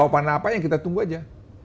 jawabannya apa ya kita tunggu aja